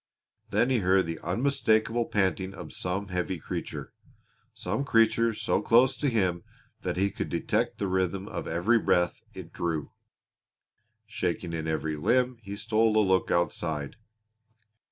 Then he heard the unmistakable panting of some heavy creature some creature so close to him that he could detect the rhythm of every breath it drew. Shaking in every limb he stole a look outside.